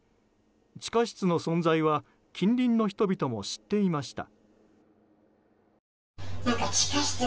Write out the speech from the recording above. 地下室の存在は近隣の人々も知っていました。